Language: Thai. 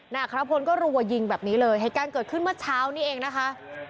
นายคัทพลก็รวยิงแบบนี้เลยเองแห่งการเกิดขึ้นเมื่อเช้านี้เองนะคะ